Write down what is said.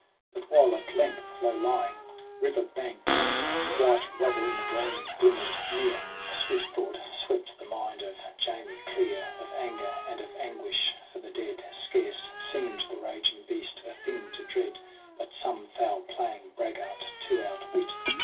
But when at length low lying river banks White rubble in the gloaming glimmered near, 12 SONG OF HUGH GLASS A swift thought swept the mind of Jamie clear Of anger and of anguish for the dead. Scarce seemed the raging beast a thing to dread, But some foul playing braggart to outwit.